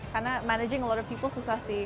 karena managing a lot of people susah sih